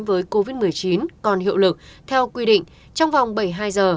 với covid một mươi chín còn hiệu lực theo quy định trong vòng bảy mươi hai giờ